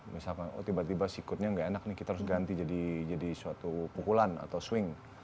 misalkan tiba tiba sikutnya tidak enak kita harus ganti jadi suatu pukulan atau swing